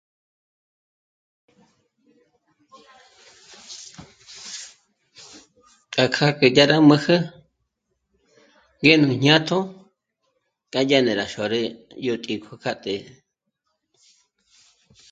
Kjá kjákji ndzhé'e rá m'ája ngé nú jñátjo k'a dyà ngé rá xôrü yó tǐ'ǐ kjú kjâ'a të́'ë